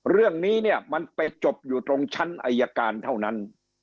เรื่องนี้เนี่ยมันไปจบอยู่ตรงชั้นอายการเท่านั้น